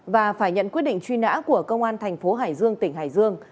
và phải nhận quyết định truy nã của công an thành phố hải dương tỉnh hải dương